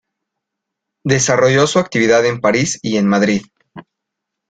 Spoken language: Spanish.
Desarrolló su actividad en París y en Madrid.